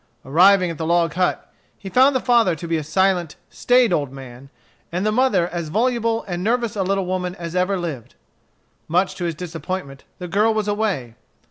Arriving at the log hut, he found the father to be a silent, staid old man, and the mother as voluble and nervous a little woman as ever lived. Much to his disappointment, the girl was away.